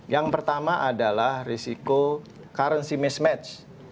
yang pertama adalah risiko currency mismatch